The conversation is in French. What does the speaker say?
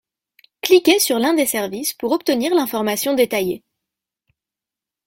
Cliquez sur l’un des services pour obtenir l’information détaillée.